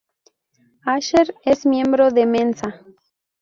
Asher es miembro de Mensa.